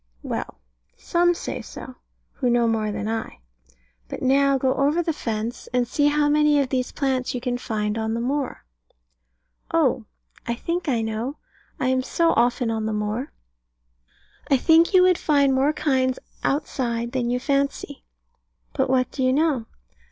Well, some say so, who know more than I. But now go over the fence, and see how many of these plants you can find on the moor. Oh, I think I know. I am so often on the moor. I think you would find more kinds outside than you fancy. But what do you know?